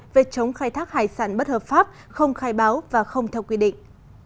về chống khai thác hải sản bất hợp pháp không khai báo và không theo quy định